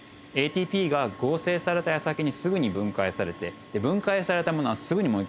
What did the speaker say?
ＡＴＰが合成されたやさきにすぐに分解されて分解されたものがすぐにもう一回合成されて。